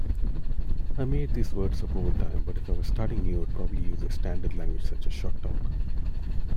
I made these words up over time, but if I were starting new I would probably use a standard language such as Short Talk.